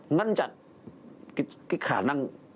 ngăn chặn cái khả năng